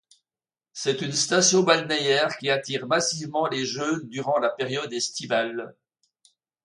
C'est une station balnéaire qui attire massivement les jeunes durant la période estivale.